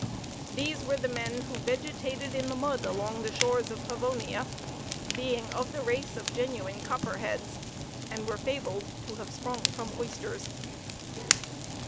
These were the men who vegetated in the mud along the shores of Pavonia, being of the race of genuine copper heads, and were fabled to have sprung from oysters.